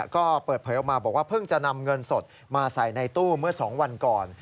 ก็เปิดเผยออกมาบอกว่าเพิ่งจะนำเงินสดมาใส่ในตู้เมื่อ๒วันก่อน